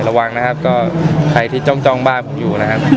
ระวังนะครับก็ใครที่จ้องบ้านผมอยู่นะครับ